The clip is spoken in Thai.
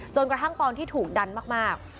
กระทั่งตอนที่ถูกดันมาก